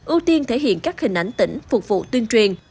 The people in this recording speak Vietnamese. ưu tiên thể hiện các hình ảnh tỉnh phục vụ tuyên truyền